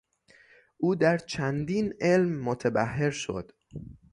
او در چندین علم متبحر شد.